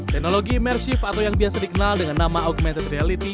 teknologi imersif atau yang biasa dikenal dengan nama augmented reality